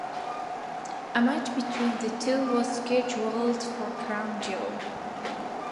A match between the two was scheduled for Crown Jewel.